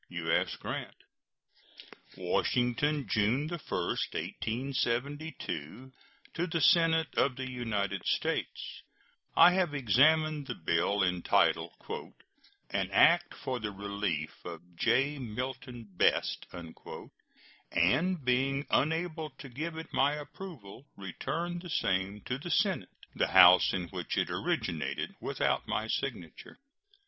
U.S. GRANT. WASHINGTON, June 1, 1872. To the Senate of the United States: I have examined the bill entitled "An act for the relief of J. Milton Best," and, being unable to give it my approval, return the same to the Senate, the House in which it originated, without my signature.